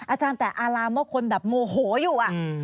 อาจารย์แต่อารามว่าคนแบบโมโหอยู่